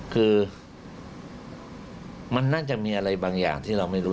คือมันน่าจะมีอะไรบางอย่างที่เราไม่รู้